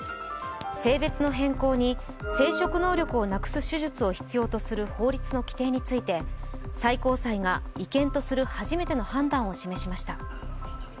性別の変更に生殖能力をなくす手術を必要とする法律の規定について最高裁が、違憲とする初めての判断を示しました。